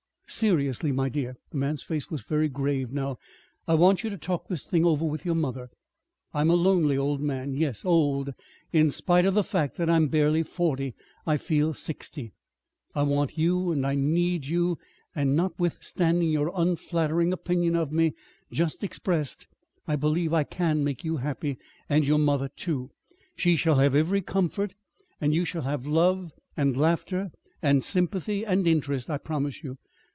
"Seriously, my dear," the man's face was very grave now, "I want you to talk this thing over with your mother. I am a lonely old man yes, old, in spite of the fact that I'm barely forty I feel sixty! I want you, and I need you, and notwithstanding your unflattering opinion of me, just expressed I believe I can make you happy, and your mother, too. She shall have every comfort, and you shall have love and laughter and sympathy and interest, I promise you.